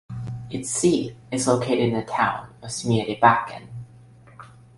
Its seat is located in the town of Smedjebacken.